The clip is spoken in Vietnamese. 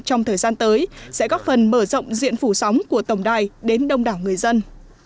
trong thời gian tới sẽ góp phần mở rộng diện phủ sóng của tổng đài đến đông đảo người dân